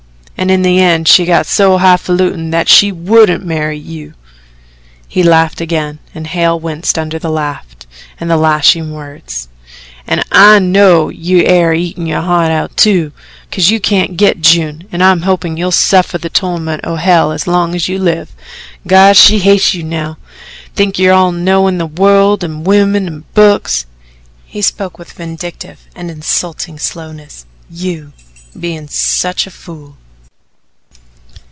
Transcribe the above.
An' in the end she got so highfalutin that SHE wouldn't marry YOU." He laughed again and Hale winced under the laugh and the lashing words. "An' I know you air eatin' yo' heart out, too, because you can't git June, an' I'm hopin' you'll suffer the torment o' hell as long as you live. God, she hates ye now! To think o' your knowin' the world and women and books" he spoke with vindictive and insulting slowness "You bein' such a fool!"